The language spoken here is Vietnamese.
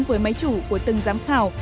với máy chủ của từng giám khảo